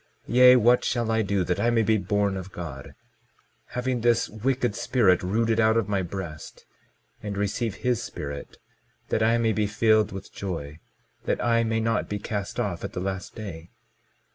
Yea, what shall I do that I may be born of God, having this wicked spirit rooted out of my breast, and receive his Spirit, that I may be filled with joy, that I may not be cast off at the last day?